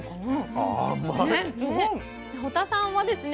堀田さんはですね